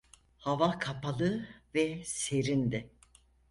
Hava kapalı ve serindi.